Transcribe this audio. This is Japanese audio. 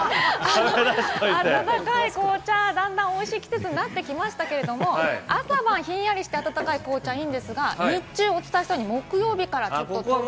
温かい紅茶はだんだん美味しい季節になってきましたけれども、朝晩ひんやりして温かい紅茶いいですが、日中、お伝えしたように木曜日からね。